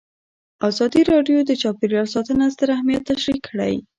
ازادي راډیو د چاپیریال ساتنه ستر اهميت تشریح کړی.